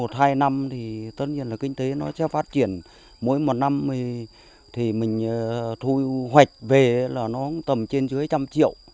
thì mình thu hoạch về là nó tầm trên dưới trăm triệu